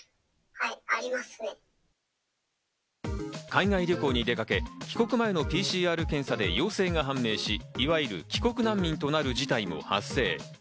海外旅行に出かけ、帰国前のＰＣＲ検査で陽性が判明し、いわゆる帰国難民とるなる事態も発生。